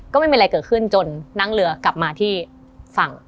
ก็ไม่มีอะไรเกิดขึ้นจนนั่งเรือกลับมาที่ฝั่ง